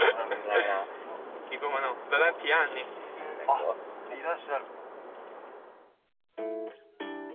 あいらっしゃる。